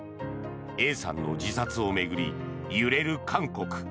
Ａさんの自殺を巡り揺れる韓国。